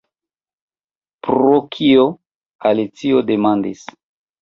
"Pro kio?" Alicio demandis.